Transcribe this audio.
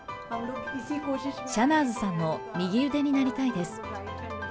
シャナーズさんの右腕になりたいです。